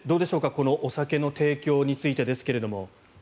このお酒の提供についてですが。